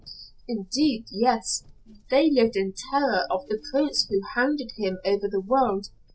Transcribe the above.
"Indeed, yes. They lived in terror of the prince who hounded him over the world.